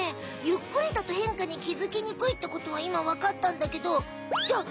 ゆっくりだと変化に気づきにくいってことはいま分かったんだけどじゃあ